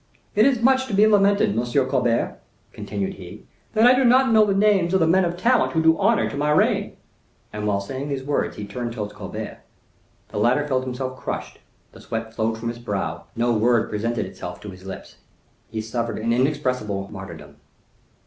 It is much to be lamented, M. Colbert," continued he, "that I do not know the names of the men of talent who do honor to my reign." And while saying these words he turned towards Colbert. The latter felt himself crushed, the sweat flowed from his brow, no word presented itself to his lips, he suffered an inexpressible martyrdom.